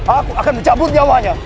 aku akan mencabut nyawanya